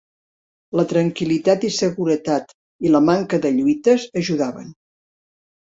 La tranquil·litat i seguretat, i la manca de lluites, ajudaven.